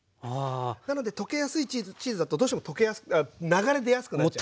なので溶けやすいチーズだとどうしても流れ出やすくなっちゃうんで。